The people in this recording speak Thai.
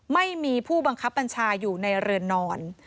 ไม่มีผู้บังคับบัญชาอยู่ในเรือนนอน